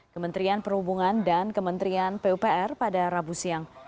kementerian perhubungan dan kementerian pupr pada rabu siang